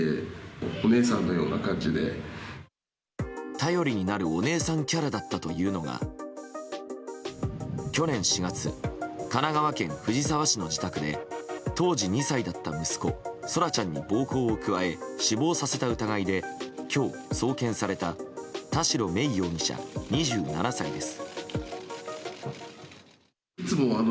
頼りになるお姉さんキャラだったというのが去年４月神奈川県藤沢市の自宅で当時２歳だった息子空来ちゃんに暴行を加え死亡させた疑いで今日送検された田代芽衣容疑者、２７歳です。